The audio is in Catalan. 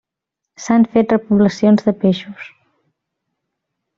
S'han fet repoblacions de peixos.